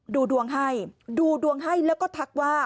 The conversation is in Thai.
ดูดวงให้ดูดวงให้แล้วก็ทักว่า